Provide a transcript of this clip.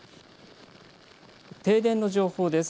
停電の情報です。